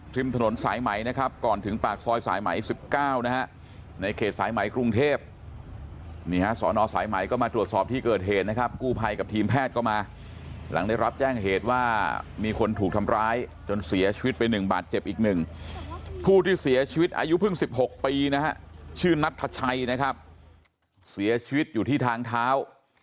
ถนนสายไหมนะครับก่อนถึงปากซอยสายไหม๑๙นะฮะในเขตสายไหมกรุงเทพนี่ฮะสอนอสายไหมก็มาตรวจสอบที่เกิดเหตุนะครับกู้ภัยกับทีมแพทย์ก็มาหลังได้รับแจ้งเหตุว่ามีคนถูกทำร้ายจนเสียชีวิตไป๑บาทเจ็บอีกหนึ่งผู้ที่เสียชีวิตอายุเพิ่ง๑๖ปีนะฮะชื่อนัทชัยนะครับเสียชีวิตอยู่ที่ทางเท้า